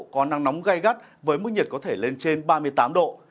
có nắng nóng gai gắt với mức nhiệt có thể lên trên ba mươi tám độ